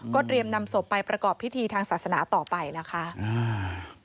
เตรียมนำศพไปประกอบพิธีทางศาสนาต่อไปนะคะอ่า